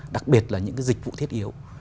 đặc biệt là những cái dịch vụ thiết yếu